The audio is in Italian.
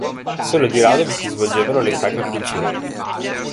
Solo di rado vi si svolgevano le sacre funzioni.